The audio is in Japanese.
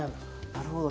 なるほど。